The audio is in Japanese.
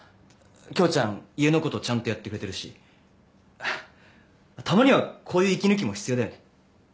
キョウちゃん家のことちゃんとやってくれてるしははったまにはこういう息抜きも必要だよね。